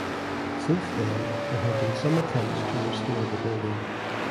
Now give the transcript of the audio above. Since then there have been some attempts to restore the building.